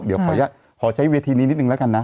เดี๋ยวขอใช้เวทีนี้นิดนึงแล้วกันนะ